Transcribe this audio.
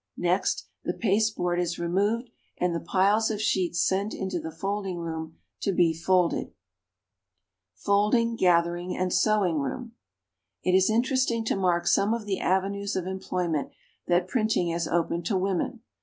Next, the pasteboard is removed, and the piles of sheets sent into the Folding room to be folded. [Illustration: FOLDING, GATHERING, AND SEWING ROOM.] It is interesting to mark some of the avenues of employment that printing has opened to women.